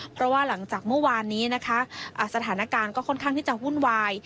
เพราะว่าหลังจากเมื่อวานนี้นะคะสถานการณ์ก็ค่อนข้างที่จะวุ่นวาย